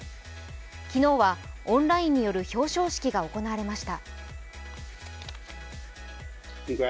昨日はオンラインによる表彰式が行われました。